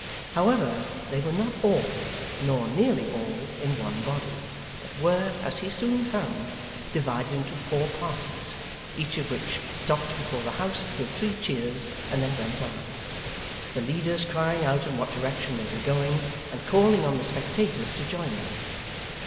However, they were not all, nor nearly all, in one body, but were, as he soon found, divided into four parties, each of which stopped before the house to give three cheers, and then went on; the leaders crying out in what direction they were going, and calling on the spectators to join them.